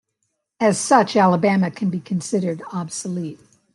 As such, Alabama can be considered obsolete.